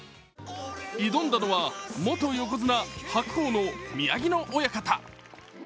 挑んだのは、元横綱・白鵬の宮城野親方。